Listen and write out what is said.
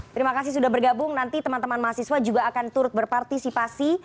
terima kasih sudah bergabung nanti teman teman mahasiswa juga akan turut berpartisipasi